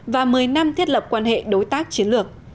và một mươi năm thiết lập quan hệ đối tác chiến lược